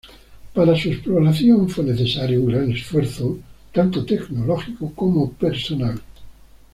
Para su exploración fue necesario un gran esfuerzo tanto tecnológico como personal.